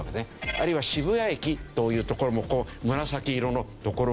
あるいは渋谷駅という所も紫色の所があります。